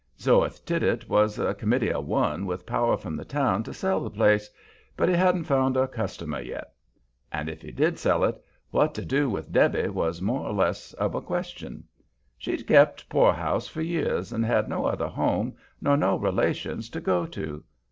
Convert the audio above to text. Zoeth Tiddit was a committee of one with power from the town to sell the place, but he hadn't found a customer yet. And if he did sell it, what to do with Debby was more or less of a question. She'd kept poorhouse for years, and had no other home nor no relations to go to.